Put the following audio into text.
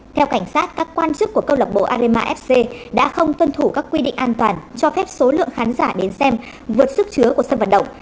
theo cảnh sát các quan chức của câu lạc bộ arima fc đã không tuân thủ các quy định an toàn cho phép số lượng khán giả đến xem vượt sức chứa của sân vận động